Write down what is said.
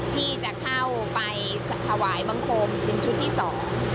ที่จะเข้าไปถวายบังคมเป็นชุดที่สอง